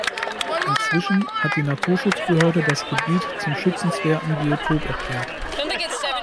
Inzwischen hat die Naturschutzbehörde das Gebiet zum schützenswerten Biotop erklärt.